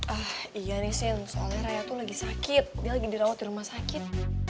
ah iya nisin soalnya raya tuh lagi sakit dia lagi dirawat di rumah sakit